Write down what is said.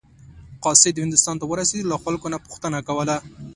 قاصد هندوستان ته ورسېده له خلکو نه پوښتنه کوله.